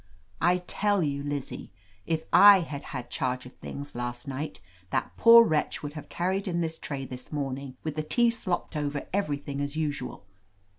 "I tell you, Liz zie, if / had had charge of things last night, that poor wretch would have carried in this tray this morning, with the tea slopped over everything as usual.